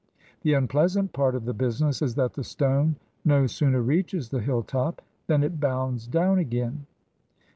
The unpleasant part of the business is that the stone no sooner reaches the hill top than it bounds down again.